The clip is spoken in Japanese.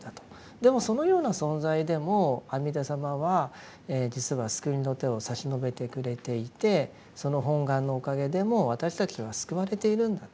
でもそのような存在でも阿弥陀様は実は救いの手を差し伸べてくれていてその本願のおかげでもう私たちは救われているんだと。